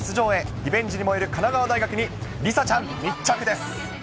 リベンジに燃える神奈川大学に、梨紗ちゃん、密着です。